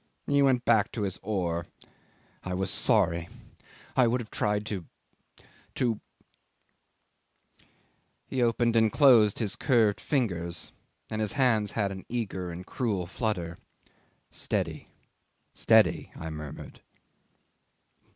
He went back to his oar. I was sorry. I would have tried to to ..." 'He opened and closed his curved fingers, and his hands had an eager and cruel flutter. "Steady, steady," I murmured.